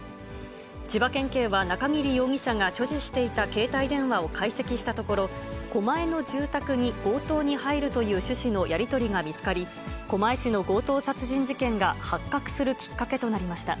千葉県警は中桐容疑者が所持していた携帯電話を解析したところ、狛江の住宅に強盗に入るという趣旨のやり取りが見つかり、狛江市の強盗殺人事件が発覚するきっかけとなりました。